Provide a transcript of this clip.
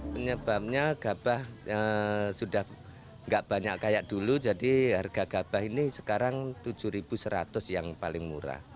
penyebabnya gabah sudah tidak banyak kayak dulu jadi harga gabah ini sekarang tujuh seratus yang paling murah